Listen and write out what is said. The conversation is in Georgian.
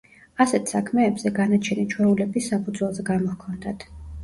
ასეთ საქმეებზე განაჩენი ჩვეულების საფუძველზე გამოჰქონდათ.